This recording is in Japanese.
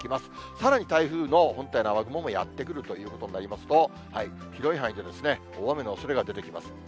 さらに台風の本体の雨雲もやって来るということになりますと、広い範囲で大雨のおそれが出てきます。